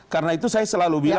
karena itu saya selalu bilang